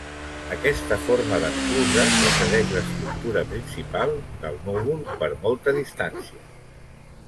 Aquesta forma d'enclusa precedeix l'estructura principal del núvol per molta distància.